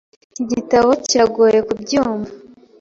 Iki gitabo kiragoye kubyumva.